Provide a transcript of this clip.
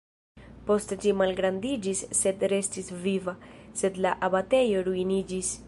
Poste ĝi malgrandiĝis sed restis viva, sed la abatejo ruiniĝis.